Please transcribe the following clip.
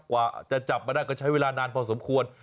กว่าจะจับมาได้ก็ใช้เวลานานพอสมควร